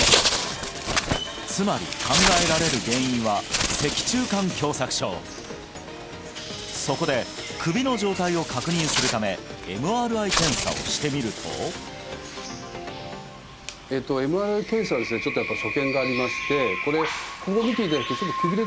つまり考えられる原因は脊柱管狭窄症そこで首の状態を確認するためＭＲＩ検査をしてみるとＭＲＩ検査はですねちょっとやっぱり所見がありましてこれはいねえ